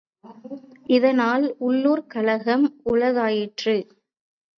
இதனால் உள்ளூர்க் கலகம் உளதாயிற்று.